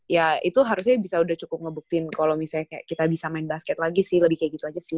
ya itu harusnya udah cukup ngebuktin kalo misalnya kita bisa main basket lagi sih lebih kayak gitu aja sih